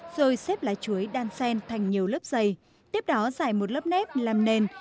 rồi xếp lá chuối đan sen thành nhiều lớp dày tiếp đó dài một lớp nếp làm nền